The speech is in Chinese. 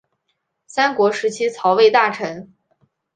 三国时期曹魏大臣。